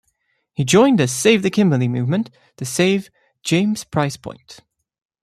He joined the Save the Kimberley movement to save James Price Point.